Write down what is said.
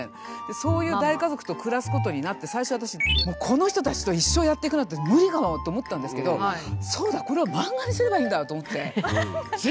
そういう大家族と暮らすことになって最初私この人たちと一生やっていくなんて無理かもと思ったんですけどそうだこれを漫画にすればいいんだと思って。